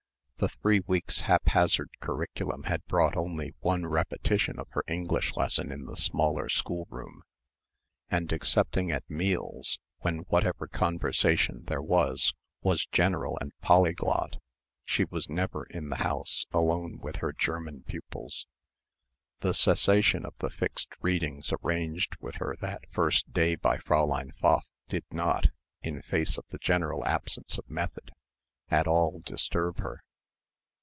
The three weeks' haphazard curriculum had brought only one repetition of her English lesson in the smaller schoolroom; and excepting at meals, when whatever conversation there was was general and polyglot, she was never, in the house, alone with her German pupils. The cessation of the fixed readings arranged with her that first day by Fräulein Pfaff did not, in face of the general absence of method, at all disturb her.